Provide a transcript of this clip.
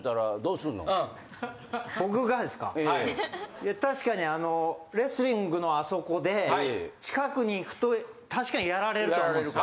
いや確かにあのレスリングのあそこで近くに行くと確かにやられると思うんですよ。